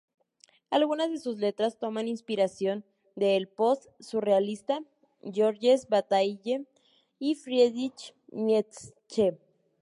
Algunas de sus letras toman inspiración de el post-surrealista Georges Bataille y Friedrich Nietzsche.